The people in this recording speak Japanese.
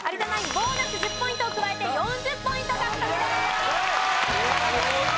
ボーナス１０ポイントを加えて４０ポイント獲得です！